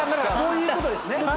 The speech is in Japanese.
そういうことですね。